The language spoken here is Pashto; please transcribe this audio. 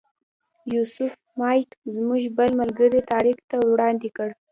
یوسف مایک زموږ بل ملګري طارق ته وړاندې کړ.